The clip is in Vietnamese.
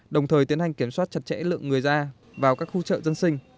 đồng thời tiến hành kiểm soát chặt chẽ lượng người ra vào các khu chợ dân sinh